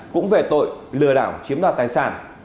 cũng về tội lừa đảo chiếm đoạt tài sản